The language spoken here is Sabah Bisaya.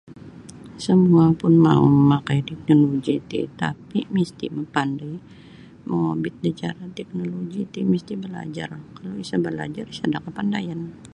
Semua pun mau mamakai da teknoloji tapi misti mapandai mongobit da cara teknoloji ti misti balajar kalau sa balajar sada kapandayan.